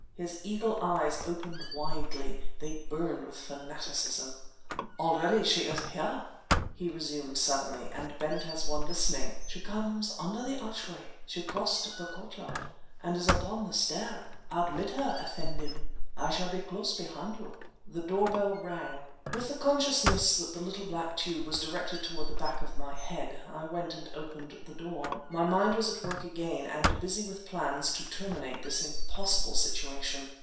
His eagle eyes opened widely; they burned with fanaticism. "Already she is here!" he resumed suddenly, and bent as one listening. "She comes under the archway; she crossed the courtyard—and is upon the stair! Admit her, effendim; I shall be close behind you!" The door bell rang. With the consciousness that the black tube was directed toward the back of my head, I went and opened the door. My mind was at work again, and busy with plans to terminate this impossible situation.